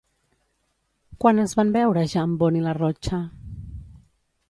Quan es van veure Jambon i Larrotcha?